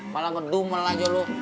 malah ngedumel aja lu